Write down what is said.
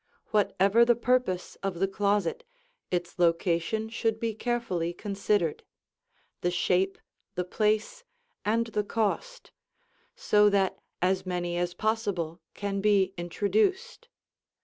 Whatever the purpose of the closet, its location should be carefully considered, the shape, the place, and the cost, so that as many as possible can be introduced.